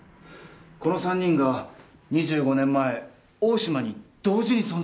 この３人が２５年前大島に同時に存在していました。